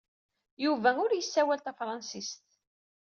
Yuba ur yessawal tafṛensist.